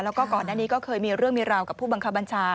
แล้วก็ก่อนหน้านี้ก็เคยมีเรื่องมีราวกับผู้บังคับบัญชา